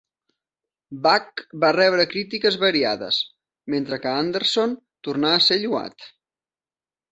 Bach va rebre crítiques variades, mentre que Anderson tornà a ser lloat.